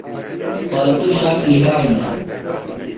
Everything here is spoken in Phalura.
فالتُو شاک لِھیانہ۔